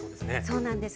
そうなんです。